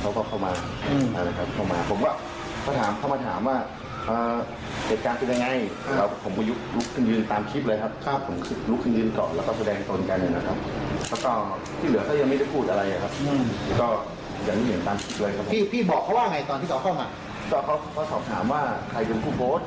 แต่ก็ไม่คิดว่าเขาจะมาทำร้ายร่างกายอย่างนี้ครับ